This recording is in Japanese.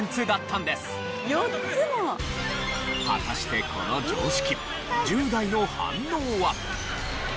果たしてこの常識１０代の反応は？